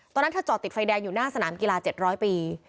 ตอนนั้นเธอจอดติดไฟแดงอยู่หน้าสนามกีฬา๗๐๐ปี